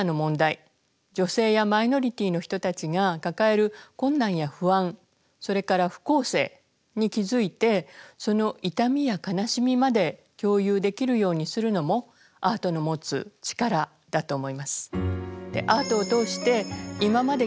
女性やマイノリティーの人たちが抱える困難や不安それから不公正に気づいてその痛みや悲しみまで共有できるようにするのもアートの持つ力だと思います。